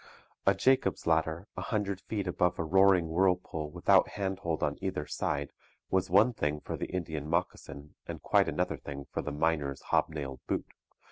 A 'Jacob's ladder' a hundred feet above a roaring whirlpool without handhold on either side was one thing for the Indian moccasin and quite another thing for the miner's hobnailed boot.